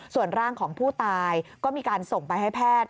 ส่วนร่างของผู้ตายก็มีการส่งไปให้แพทย์